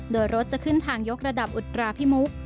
โดยรถจะขึ้นทางยกระดับอุตราพิมุก